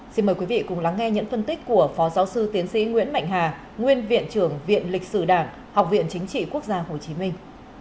xin mời quý vị cùng lắng nghe những phân tích của phó giáo sư tiến sĩ nguyễn mạnh hà nguyên viện trưởng viện lịch sử đảng học viện chính trị quốc gia hồ chí minh